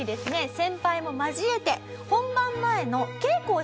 先輩も交えて本番前の稽古をしていました。